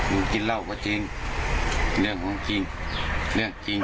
กินเหล้าก็จริงเรื่องของจริงเรื่องจริง